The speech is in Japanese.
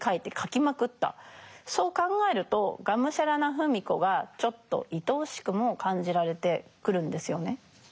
そう考えるとがむしゃらな芙美子がちょっと愛おしくも感じられてくるんですよね。